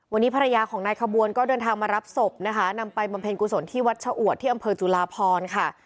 วันนี้ภรรยาของนายขบวนก็เดินทางมารับศพนะคะนำไปบำเพ็ญกุศลที่วัดชะอวดที่อำเภอจุลาพรค่ะ